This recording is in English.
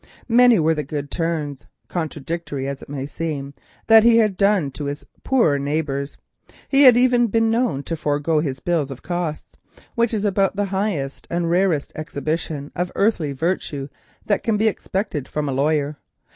Many were the good turns, contradictory as it may seem, that he had done to his poorer neighbours; he had even been known to forego his bills of costs, which is about the highest and rarest exhibition of earthly virtue that can be expected from a lawyer.